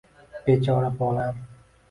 Bechora bolam.